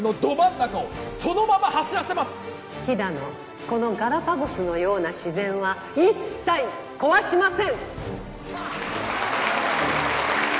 飛騨のこのガラパゴスのような自然は一切壊しません！